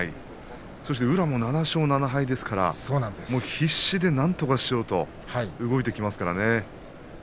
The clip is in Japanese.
そして宇良も７勝７敗ですから必死で、なんとかしようと動いていきますからね。